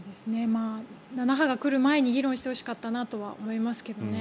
７波が来る前に議論してほしかったなとは思いますけどね。